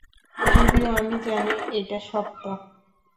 যদিও আমি জানি এইটা সত্য।